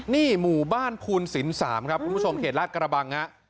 นี่หมู่บ้านภูนศิลป์๓ครับคุณผู้ชมเขตลาดกระบังฮะ